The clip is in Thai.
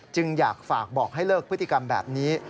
จึงอยากฝากบอกให้เลิกพฤติกรรมแบบนี้